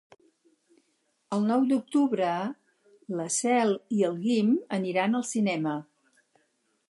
El nou d'octubre na Cel i en Guim aniran al cinema.